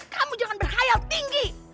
kamu jangan berkhayal tinggi